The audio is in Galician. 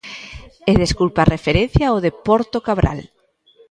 E desculpe a referencia ao de Porto Cabral.